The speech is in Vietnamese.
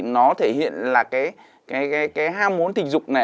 nó thể hiện là cái ham muốn tình dục này